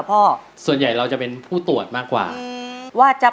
พวกเราโชคดีแล้ว